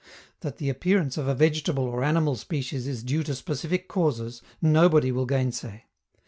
That the appearance of a vegetable or animal species is due to specific causes, nobody will gainsay.